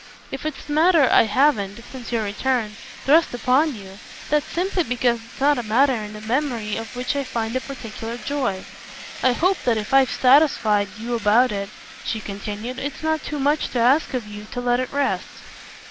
If it's a matter I haven't, since your return, thrust upon you, that's simply because it's not a matter in the memory of which I find a particular joy. I hope that if I've satisfied you about it," she continued, "it's not too much to ask of you to let it rest."